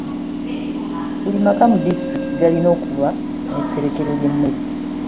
Buli maka mu disitulikiti galina okuba n'etterekero ly'emmere.